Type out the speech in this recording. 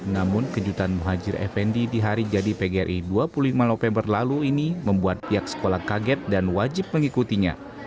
namun kejutan muhajir effendi di hari jadi pgri dua puluh lima november lalu ini membuat pihak sekolah kaget dan wajib mengikutinya